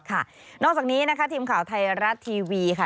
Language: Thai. นอกจากนี้นะคะทีมข่าวไทยรัฐทีวีค่ะ